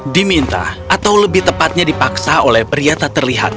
diminta atau lebih tepatnya dipaksa oleh pria tak terlihat